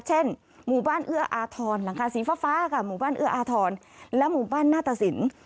หมู่บ้านเอื้ออาทรหลังคาสีฟ้าค่ะหมู่บ้านเอื้ออาทรและหมู่บ้านหน้าตะสิน